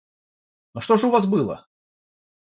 Но что же у вас было?